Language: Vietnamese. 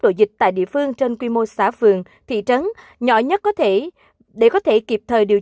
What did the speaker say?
ổ dịch tại địa phương trên quy mô xã phường thị trấn nhỏ nhất có thể để có thể kịp thời điều